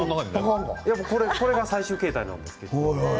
これが最終形態なんですよ。